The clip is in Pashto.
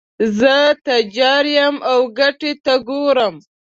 زه تجار یم او ګټې ته ګورم.